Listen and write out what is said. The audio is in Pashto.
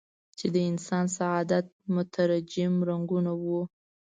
چې د انسان سعادت مترجم رنګونه وو.